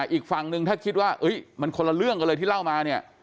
อีกฝั่งนึงถ้าคิดว่ามันคนละเรื่องกันเลยที่เล่ามาเนี่ย